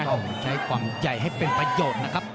ต้องใช้ความใหญ่ให้เป็นประโยชน์นะครับ